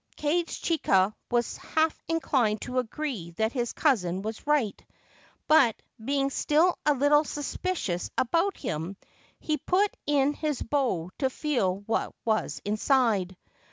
Kage chika was half inclined to agree that his cousin was right ; but, being still a little suspicious about him, he put in his bow to feel what was inside.